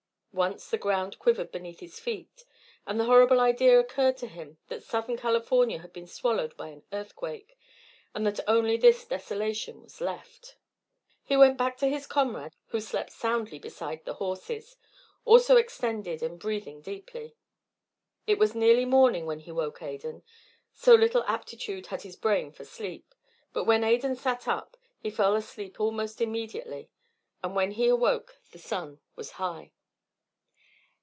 Once the ground quivered beneath his feet, and the horrible idea occurred to him that Southern California had been swallowed by an earthquake, and that only this desolation was left. He went back to his comrade, who slept soundly beside the horses, also extended and breathing deeply. It was nearly morning when he woke Adan, so little aptitude had his brain for sleep. But when Adan sat up he fell asleep almost immediately, and when he awoke the sun was high.